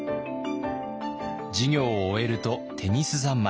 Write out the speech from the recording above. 授業を終えるとテニス三昧。